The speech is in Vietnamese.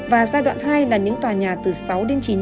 và giai đoạn hai là những tòa nhà